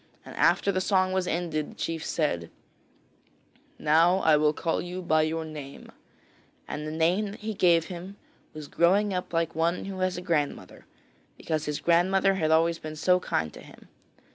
And after the song was ended the chief said: 'Now I will call you by your name,' and the name that he gave him was Growing up like one who has a grandmother, because his grandmother had always been so kind to him.